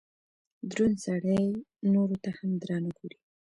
دروند سړئ نورو ته هم درانه ګوري